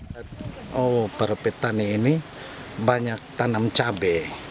di petani ini banyak tanam cabai